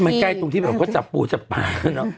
มันใกล้ตรงที่แบบว่าจับปูจับป่าเนอะ